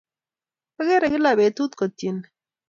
Akere kila petut kotyene